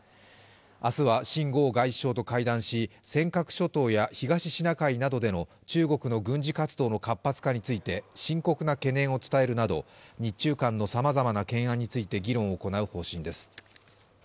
明日は秦剛外相と会談し尖閣諸島や東シナ海などでの中国の軍事活動の活発化について深刻な懸念を伝えるなど日中間のさまざまな懸案について議論を行う方針です。